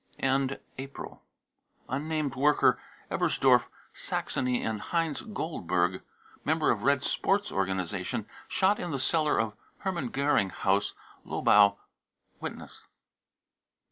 End April, unnamed worker, Ebersdorf, Saxony, and heinz goldberg, member of Red Sports organisation, shot in the cellar of Hermann Goering House , Lobau. (Witness.)